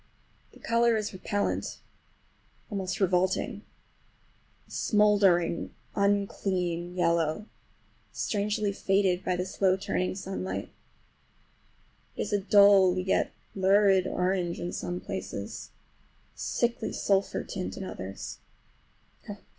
The color is repellant, almost revolting; a smouldering, unclean yellow, strangely faded by the slow turning sunlight. It is a dull yet lurid orange in some places, a sickly sulphur tint in others.